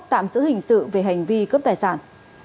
giữ hình sự về hành vi cướp tài sản